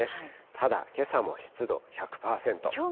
ただ、けさも湿度１００％。